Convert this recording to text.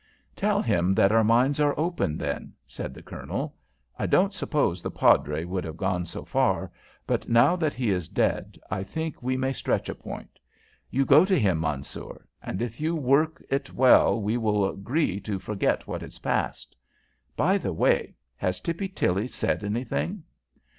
"Tell him that our minds are open then," said the Colonel. "I don't suppose the padre would have gone so far, but now that he is dead I think we may stretch a point. You go to him, Mansoor, and if you work it well we will agree to forget what is past. By the way, has Tippy Tilly said anything?"